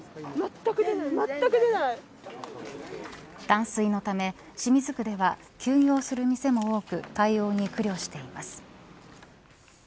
断水のため清水区では休業する店も多く対応に苦慮しています。